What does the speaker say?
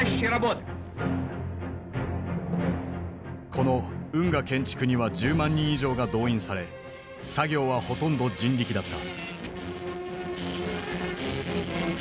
この運河建築には１０万人以上が動員され作業はほとんど人力だった。